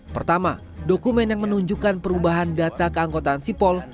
pertama dokumen yang menunjukkan perubahan data keangkotaan sipol